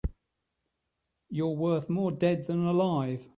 You're worth more dead than alive.